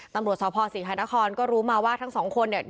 ตำรวจสภศรีหานครก็รู้มาว่าทั้งสองคนเนี่ย